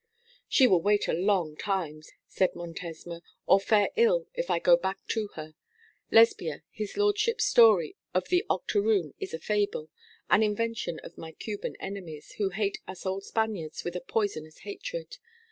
'She will wait a long time,' said Montesma, 'or fare ill if I go back to her. Lesbia, his lordship's story of the Octoroon is a fable an invention of my Cuban enemies, who hate us old Spaniards with a poisonous hatred.